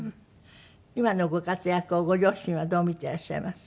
今のご活躍をご両親はどう見てらっしゃいます？